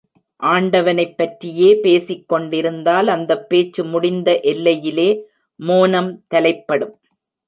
ஆண்டவனைப் பற்றியே பேசிக்கொண்டிருந்தால், அந்தப் பேச்சு முடிந்த எல்லையிலே மோனம் தலைப்படும்.